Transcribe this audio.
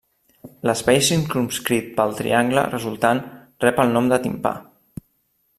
L'espai circumscrit pel triangle resultant rep el nom de timpà.